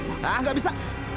hah enggak bisa